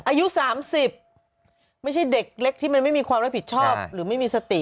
อายุ๓๐ไม่ใช่เด็กเล็กที่มันไม่มีความรับผิดชอบหรือไม่มีสติ